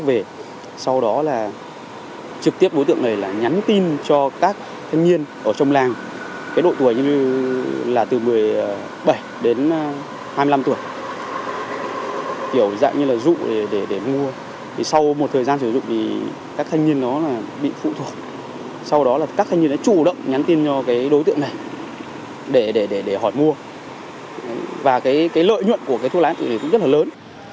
và cái lợi nhuận của cái thuốc lá điện tử này cũng rất là lớn